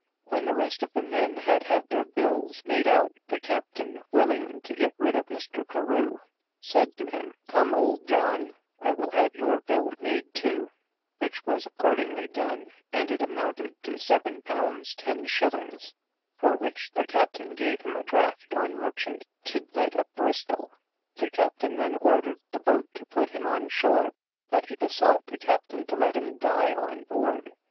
When the rest of the men had had their bills made out, the captain, willing to get rid of Mr. Carew, said to him, come, old John, I will have your bill made to; which was accordingly done, and it amounted to seven pounds ten shillings, for which the captain gave him a draught on merchant Tidiate of Bristol. The captain then ordered the boat to put him on shore; but he besought the captain to let him die on board.